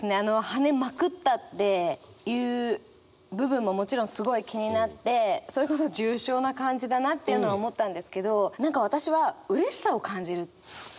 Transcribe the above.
「跳ねまくった」っていう部分ももちろんすごい気になってそれこそ重症な感じだなっていうのは思ったんですけど何か私はうれしさを感じる。